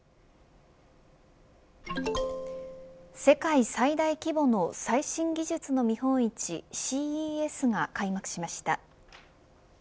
世界最大規模の最新技術の見本市ＣＥＳが開幕しました。